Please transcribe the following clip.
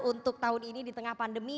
untuk tahun ini di tengah pandemi